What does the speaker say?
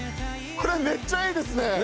これめっちゃいいですね。